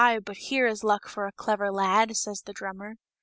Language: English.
but here is luck for a clever lad," says the drummer.)